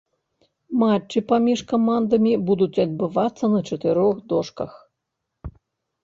Матчы паміж камандамі будуць адбывацца на чатырох дошках.